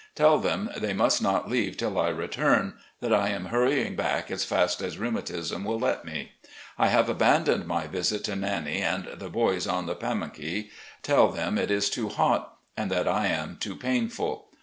Tell them they must not leave till I return, that I am hurr3dng back as fast as rheumatism will let me. I have aban doned my visit to Nannie and the boys on the Pamunkey. Tell them it is too hot and that I am too painful.